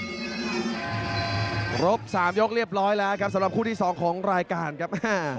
ครบ๓ยกเรียบร้อยแล้วครับสำหรับคู่ที่๒ของรายการครับ